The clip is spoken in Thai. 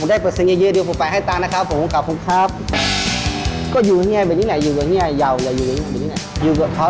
ผมได้เปิดเสียงเยอะเดี๋ยวผมไปให้ตามนะครับผม